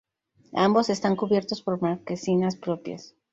Ambos están cubiertos por marquesinas propias.